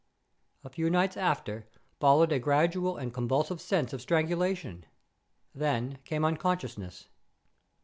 A few nights after, followed a gradual and convulsive sense of strangulation; then came unconsciousness."